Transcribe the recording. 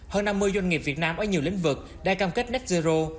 hơn năm mươi doanh nghiệp việt nam ở nhiều lĩnh vực đã cam kết net zero